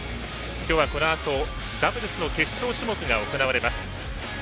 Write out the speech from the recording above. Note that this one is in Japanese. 今日はこのあとダブルスの決勝種目が行われます。